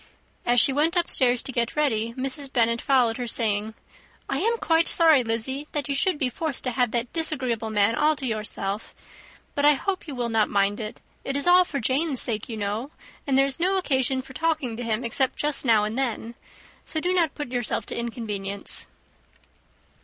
As she went upstairs to get ready, Mrs. Bennet followed her, saying, "I am quite sorry, Lizzy, that you should be forced to have that disagreeable man all to yourself; but I hope you will not mind it. It is all for Jane's sake, you know; and there is no occasion for talking to him except just now and then; so do not put yourself to inconvenience."